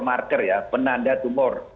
marker ya penanda tumor